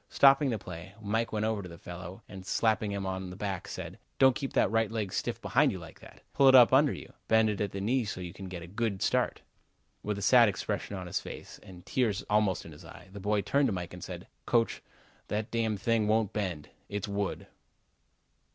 Stopping the play, Mike went over to the fellow and slapping him on the back said: "Don't keep that right leg stiff behind you like that. Pull it up under you. Bend it at the knee so you can get a good start." With a sad expression on his face, and tears almost in his eyes, the boy turned to Mike and said: "Coach, that damn thing won't bend. It's wood."